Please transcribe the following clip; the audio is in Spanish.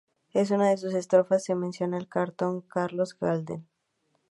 En una de sus estrofas se menciona al cantor Carlos Gardel.